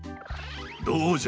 どうじゃ？